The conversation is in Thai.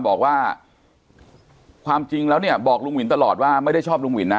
บอกว่าความจริงแล้วเนี่ยบอกลุงวินตลอดว่าไม่ได้ชอบลุงหวินนะ